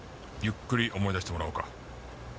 ゆっくり思い出してもらおうか。